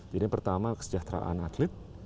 jadi pertama kesejahteraan atlet